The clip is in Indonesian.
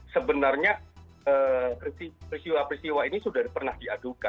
sebenarnya peristiwa peristiwa ini sudah pernah diadukan